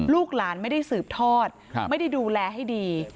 ลูกหลานไม่ได้สืบทอดไม่ได้ดูแลให้ดี